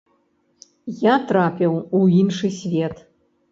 Я трапіў у іншы свет.